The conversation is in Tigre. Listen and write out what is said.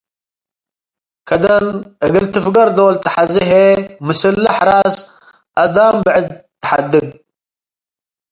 ከደን እግል ትፍገር ዶል ተሐዜ ህዬ ምስለ ሐራስ አዳም ብዕድ ተሐድግ ።